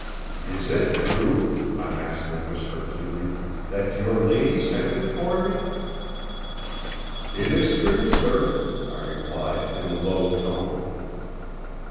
"'Is it true,' my master whispered to me, 'that your lady sent you for me?' "'It is true, sir,' I replied in a low tone.